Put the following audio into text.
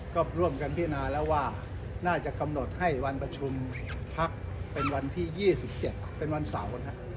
ก็ร่วมกันพิจารณาแล้วว่าน่าจะกำหนดให้วันประชุมพักเป็นวันที่๒๗เป็นวันเสาร์